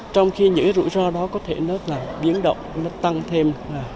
trong khi những rủi ro đó có thể nó biến động nó tăng thêm hai mươi ba mươi